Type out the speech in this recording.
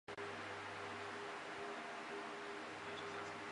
缘毛无心菜为石竹科无心菜属的植物。